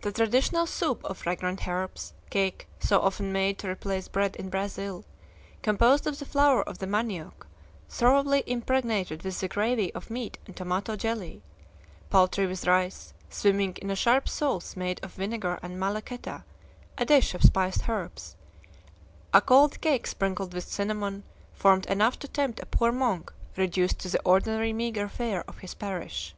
The traditional soup of fragrant herbs; cake, so often made to replace bread in Brazil, composed of the flour of the manioc thoroughly impregnated with the gravy of meat and tomato jelly; poultry with rice, swimming in a sharp sauce made of vinegar and "malagueta;" a dish of spiced herbs, and cold cake sprinkled with cinnamon, formed enough to tempt a poor monk reduced to the ordinary meager fare of his parish.